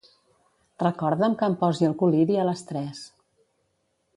Recorda'm que em posi el col·liri a les tres.